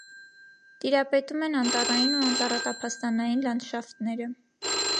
Տիրապետում են անտառային ու անտառատափաստանային լանդշաֆտները։